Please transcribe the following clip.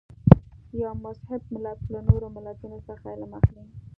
یو مهذب ملت له نورو ملتونو څخه علم اخلي.